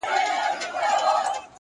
هره لاسته راوړنه استقامت غواړي.